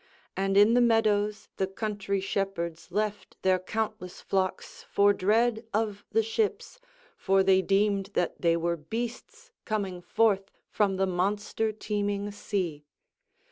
And in the meadows the country shepherds left their countless flocks for dread of the ships, for they deemed that they were beasts coming forth from the monster teeming sea.